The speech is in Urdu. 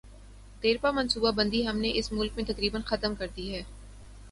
دیرپا منصوبہ بندی ہم نے اس ملک میں تقریبا ختم کر دی ہے۔